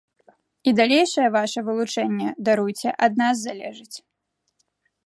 І далейшае ваша вылучэнне, даруйце, ад нас залежыць.